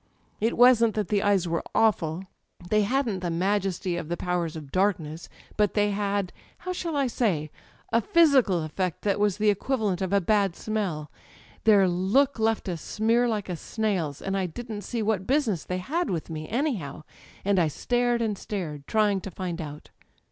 It wasn't that the eyes were awful; they hadn't the majesty of the powers of darkness. Bu^ they had â€" how shall I say? â€" a physical effect that was the equivalent of a bad smell: their look left a smear like a snail's. And I didn't see what business they had with me, anyhow â€" and I stared and stared, trying to find out